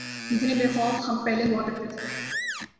جتنے بے خوف ہم پہلے ہوا کرتے تھے۔